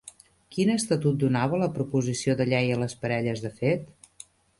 Quin estatut donava la proposició de llei a les parelles de fet?